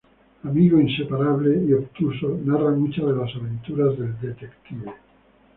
Amigo inseparable y obtuso, narra muchas de las aventuras del detective.